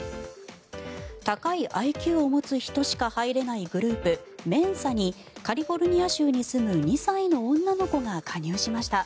高いＩＱを持つ人しか入れないグループメンサにカリフォルニア州に住む２歳の女の子が加入しました。